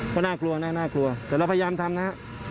ก็น่ากลัวนะน่ากลัวแต่เราพยายามทำนะครับ